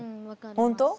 本当？